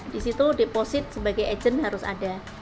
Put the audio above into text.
di situ deposit sebagai agent harus ada